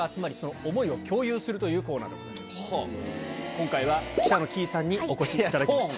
今回は北乃きいさんにお越しいただきました。